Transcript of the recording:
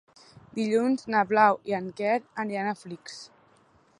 Dilluns na Blau i en Quer aniran a Flix.